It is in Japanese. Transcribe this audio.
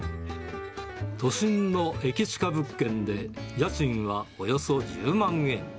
都心の駅近物件で、家賃はおよそ１０万円。